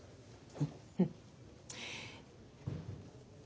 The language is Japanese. うん。